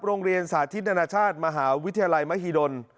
สาธิตนานาชาติมหาวิทยาลัยมหิดล